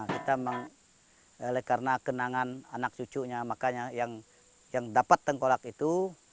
kita menghormati karena kenangan anak cucunya makanya yang mendapat tengkorak itu